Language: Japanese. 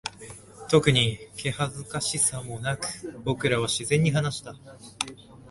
特に気恥ずかしさもなく、僕らは自然に話した。